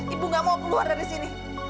ibu gak mau keluar dari sini